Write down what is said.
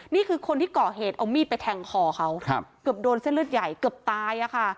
นี่คือคนที่ก่อเหตุเอามีดไปแทงคอเขาเกือบโดนเส้นเลือดใหญ่เกือบตายอะค่ะ